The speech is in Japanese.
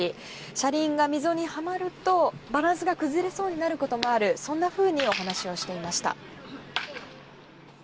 車輪が溝にはまるとバランスが崩れそうになることがあるそんなふうにお話をしていました。